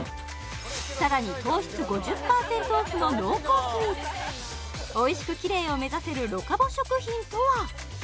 さらに糖質５０％オフの濃厚スイーツおいしくキレイを目指せるロカボ食品とは？